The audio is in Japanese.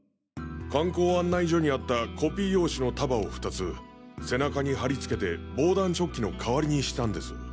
観光案内所にあったコピー用紙の束を２つ背中に貼りつけて防弾チョッキの代わりにしたんです。